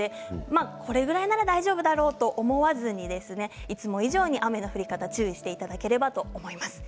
これぐらいなら大丈夫だろうと思わずに、いつも以上に雨の降り方に注意していただければと思います。